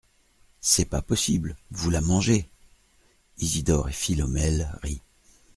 C’est pas possible, vous la mangez." Isidore et Philomèle rient.